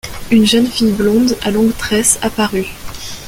Une jeune fille blonde, à longues tresses, apparut.